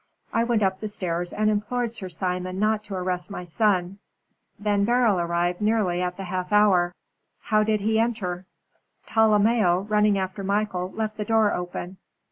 I went up the stairs and implored Sir Simon not to arrest my son. Then Beryl arrived nearly at the half hour." "How did he enter?" "Tolomeo, running after Michael, left the door open.